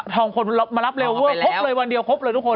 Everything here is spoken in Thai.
ท้องคนมารับเรียลเวิร์ดครบเลยวันเดียวครบเลยทุกคน